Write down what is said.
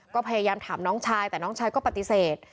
ก็พยายามถามน้องชายแต่น้องชายก็ปฏิเสธ